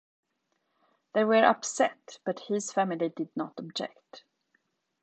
They were upset, but his family did not object.